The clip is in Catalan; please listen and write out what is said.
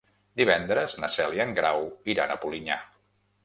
Divendres na Cel i en Grau iran a Polinyà.